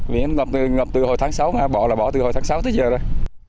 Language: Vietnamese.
vì em ngập từ hồi tháng sáu mà bỏ là bỏ từ hồi tháng sáu tới giờ rồi